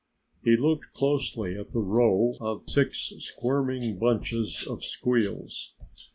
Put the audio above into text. He looked closely at the row of six squirming bunches of squeals.